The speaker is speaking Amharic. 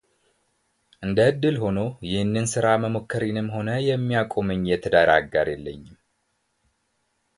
እንደ ዕድል ሆኖ ይህንን ሥራ መሞከሬንም ሆነ የሚያቆመኝ የትዳር አጋር የለኝም።